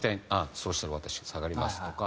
そうしたら私が下がります」とか。